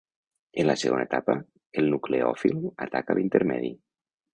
En la segona etapa, el nucleòfil ataca l'intermedi.